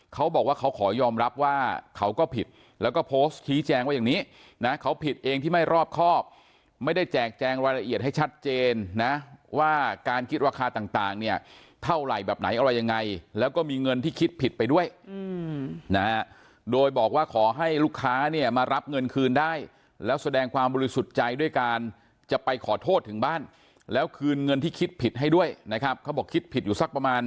เขาผิดเองที่ไม่รอบครอบไม่ได้แจกแจงรายละเอียดให้ชัดเจนนะว่าการคิดวาคาต่างเนี่ยเท่าไหร่แบบไหนอะไรยังไงแล้วก็มีเงินที่คิดผิดไปด้วยนะโดยบอกว่าขอให้ลูกค้าเนี่ยมารับเงินคืนได้แล้วแสดงความบริสุทธิ์ใจด้วยการจะไปขอโทษถึงบ้านแล้วคืนเงินที่คิดผิดให้ด้วยนะครับเขาบอกคิดผิดอยู่ส